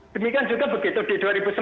demikian juga begitu di dua ribu sembilan belas